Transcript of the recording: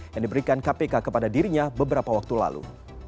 yang diberikan kpk kepada dirinya beberapa waktu lalu